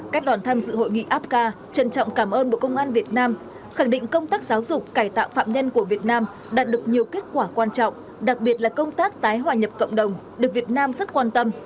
các đoàn tham dự hội nghị apca trân trọng cảm ơn bộ công an việt nam khẳng định công tác giáo dục cải tạo phạm nhân của việt nam đạt được nhiều kết quả quan trọng đặc biệt là công tác tái hòa nhập cộng đồng được việt nam rất quan tâm